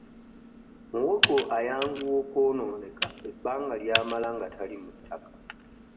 Muwogo ayanguwa okwonooneka ebbanga ly'amala nga tali mu ttaka.